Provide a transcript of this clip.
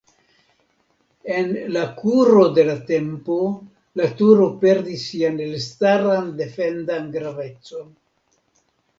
En la kuro de la tempo la turo perdis sian elstaran defendan gravecon.